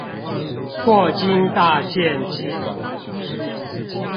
霍金大見解